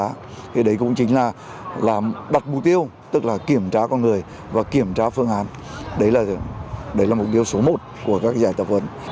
thì đấy cũng chính là bắt mục tiêu tức là kiểm tra con người và kiểm tra phương án đấy là mục tiêu số một của các giải tập vận